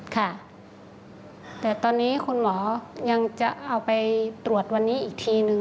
ค่ะแต่ตอนนี้คุณหมอยังจะเอาไปตรวจวันนี้อีกทีนึง